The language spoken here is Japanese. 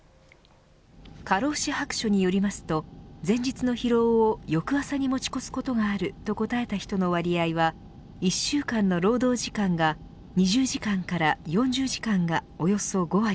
過労死白書によりますと前日の疲労を翌朝に持ち越すことがあると答えた人の割合は１週間の労働時間が２０時間から４０時間がおよそ５割。